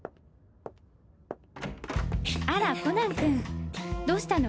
あらコナン君どうしたの？